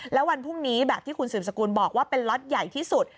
แล้ววันพรุ่งนี้แบบที่คุณสืบสกุลบอกว่าเป็นล็อตใหญ่ที่สุด